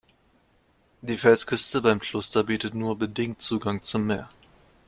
Die Felsküste beim Kloster bietet nur bedingt Zugang zum Meer.